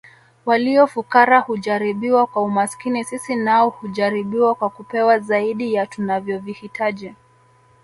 Walio fukara hujaribiwa kwa umaskini sisi nao hujaribiwa kwa kupewa zaidi ya tunavyovihitaji